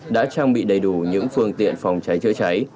đã trang bị đầy đủ những phương tiện phòng cháy chữa cháy